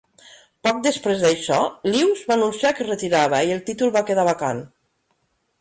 Poc després d'això, Lews va anunciar que es retirava i el títol va quedar vacant.